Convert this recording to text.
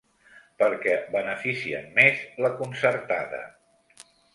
Perquè beneficien més la concertada.